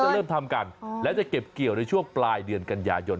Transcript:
เริ่มทำกันและจะเก็บเกี่ยวในช่วงปลายเดือนกันยายน